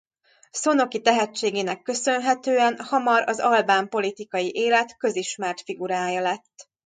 Szónoki tehetségének köszönhetően hamar az albán politikai élet közismert figurája lett.